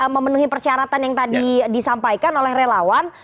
memenuhi persyaratan yang tadi disampaikan oleh relawan